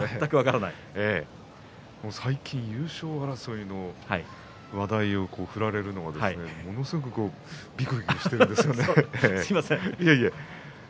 最近、優勝争いの話題を振られるのがものすごくびくびくしているんですよ。